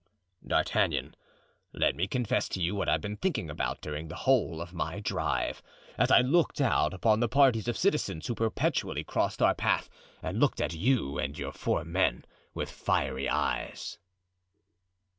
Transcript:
"D'Artagnan, let me confess to you what I've been thinking about during the whole of my drive, as I looked out upon the parties of citizens who perpetually crossed our path and looked at you and your four men with fiery eyes."